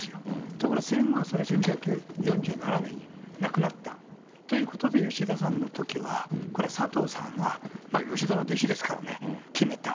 ところが戦後は、１９４７年になくなったということで、吉田さんのときは、これは佐藤さんが吉田の弟子ですからね、決めた。